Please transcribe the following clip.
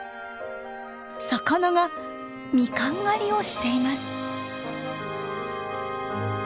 魚がミカン狩りをしています。